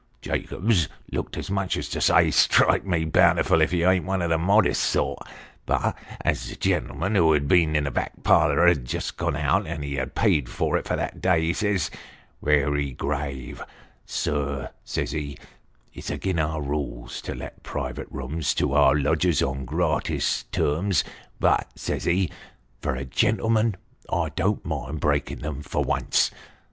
Jacobs looked as much as to say ' Strike me bountiful if you ain't one of the modest sort !' but as the gen'lm'n who had been in tho back parlour had just gone out, and had paid for it for that day, he says worry grave ' Sir,' says he, ' it's agin our rules to let private rooms to our lodgers on gratis terms, but,' says ho, ' for a gentleman, I don't mind breaking through them for once.'